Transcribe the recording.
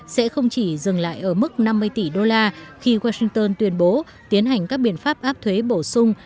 sẽ không chỉ dừng lại ở mức năm mươi tỷ đô la khi washington tuyên bố tiến hành các biện pháp áp thuế bổ sung